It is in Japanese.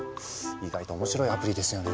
意外と面白いアプリですよね。